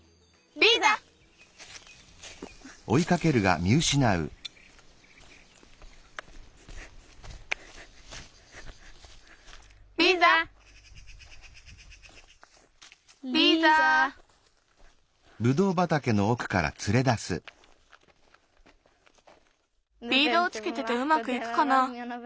リードをつけててうまくいくかな。